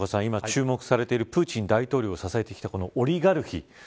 今、注目されているプーチン大統領を支えてきたオリガルヒ。